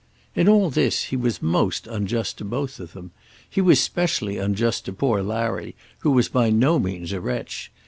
In all this he was most unjust to both of them. He was specially unjust to poor Larry, who was by no means a wretch.